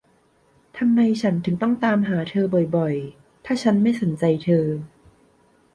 ทำไมฉันถึงต้องตามหาเธอบ่อย ๆ ถ้าฉันไม่สนใจ